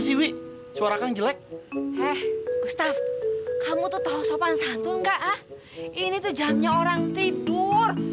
siwi suara kamu jelek eh gustaf kamu tuh tahu sopan santun enggak ah ini tuh jamnya orang tidur